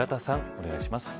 お願いします。